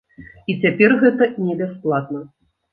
І цяпер гэта не бясплатна.